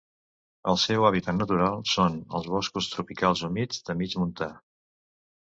El seu hàbitat natural són els boscos tropicals humits de mig montà.